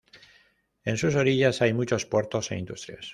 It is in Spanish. En sus orillas hay muchos puertos e industrias.